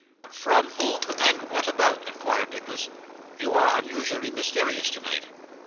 'From whom and what about?' inquired Nicholas. 'You are unusually mysterious tonight.